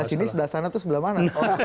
sebelah sini sebelah sana terus sebelah mana